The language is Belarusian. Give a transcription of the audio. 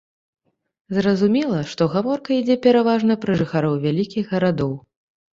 Зразумела, што гаворка ідзе пераважна пра жыхароў вялікіх гарадоў.